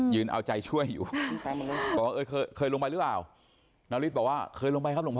เอาใจช่วยอยู่บอกเออเคยลงไปหรือเปล่านาริสบอกว่าเคยลงไปครับลงไป